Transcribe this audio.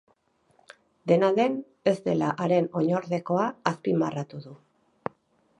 Dena den, ez dela haren oinordekoa azpimarratu du.